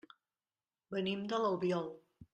Venim de l'Albiol.